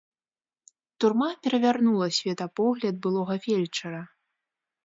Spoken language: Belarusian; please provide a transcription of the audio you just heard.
Турма перавярнула светапогляд былога фельчара.